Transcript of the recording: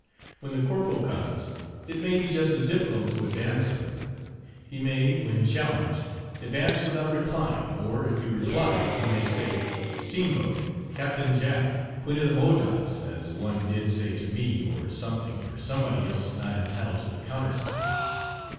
When the corporal comes it may be just as difficult to advance him. He may, when challenged, advance without replying, or, if he replies, he may say, "Steamboat," "Captain Jack, Queen of the Modocs," as one did say to me, or something or somebody else not entitled to the countersign.